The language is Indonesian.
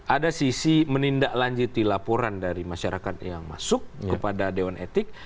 ada sisi menindaklanjuti laporan dari masyarakat yang masuk kepada dewan etik